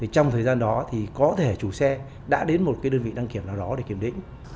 trong thời gian đó thì có thể chủ xe đã đến một đơn vị đăng kiểm nào đó để kiểm định